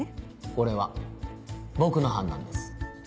これは僕の判断です。